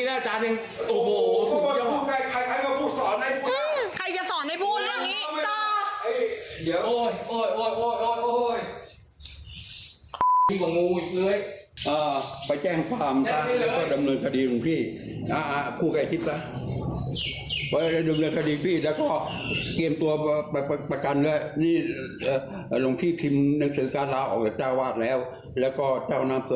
ใครจะสอนให้พูดเรื่องนี้ตอบ